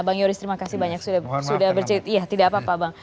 bang yoris terima kasih banyak sudah bercerita